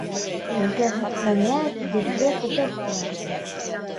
Беҙгә хакимиәт бирҙе путевкаларҙы.